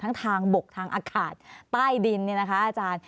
ทางบกทางอากาศใต้ดินเนี่ยนะคะอาจารย์